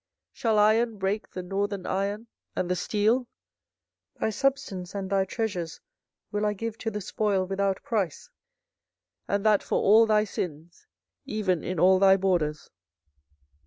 24:015:012 Shall iron break the northern iron and the steel? 24:015:013 Thy substance and thy treasures will I give to the spoil without price, and that for all thy sins, even in all thy borders.